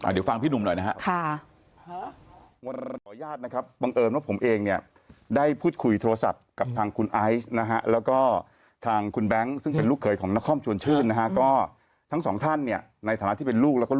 เดี๋ยวฟังพี่หนุ่มหน่อยนะครับ